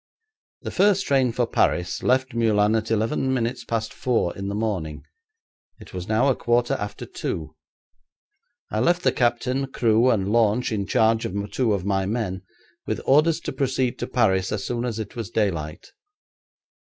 The first train for Paris left Meulan at eleven minutes past four in the morning. It was now a quarter after two. I left the captain, crew, and launch in charge of two of my men, with orders to proceed to Paris as soon as it was daylight.